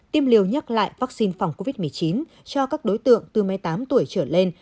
tiêm liều nhắc lại vaccine phòng covid một mươi chín cho các đối tượng từ một mươi tám tuổi trở lên